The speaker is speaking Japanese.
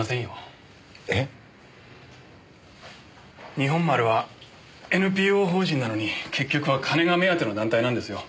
日本丸はＮＰＯ法人なのに結局は金が目当ての団体なんですよ。